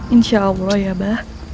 insya allah ya abah